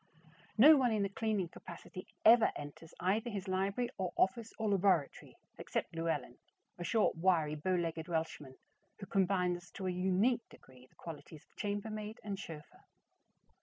No one in a cleaning capacity ever enters either his library or office or laboratory except Llewelyn, a short, wiry, bow legged Welshman, who combines to a unique degree the qualities of chambermaid and chauffeur.